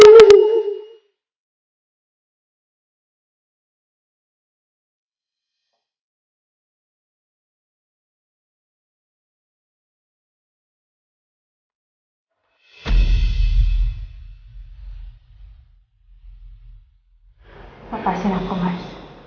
lepasin aku mas